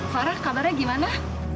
farah kabarnya gimana